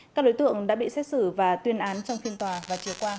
các đối tượng đã bị xét xử và tuyên án trong phiên tòa và trưa qua